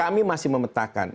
kami masih memetakan